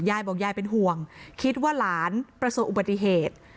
ยายบอกยายเป็นห่วงคิดว่าหลานประสบอุบัติเหตุ